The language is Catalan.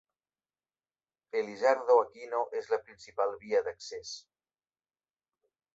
Elizardo Aquino és la principal via d'accés.